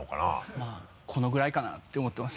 まぁこのぐらいかなって思ってます。